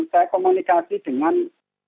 saya daftarkan semen kemarin seminggu yang lalu